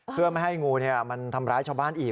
เพื่อไม่ให้งูมันทำร้ายชาวบ้านอีก